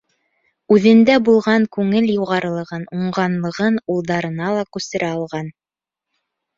Үҙендә булған күңел юғарылығын, уңғанлығын улдарына ла күсерә алған.